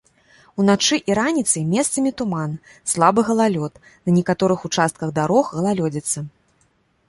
Уначы і раніцай месцамі туман, слабы галалёд, на некаторых участках дарог галалёдзіца.